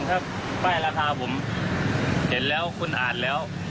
ถ้าป้ายราคาผมเห็นแล้วคุณอ่านแล้ว